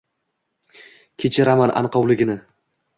Kechiraman anqovligini.